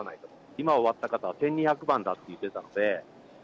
今終わった方は１２００番だと言ってたので。